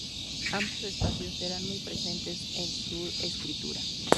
Ambos espacios serán muy presentes en su escritura.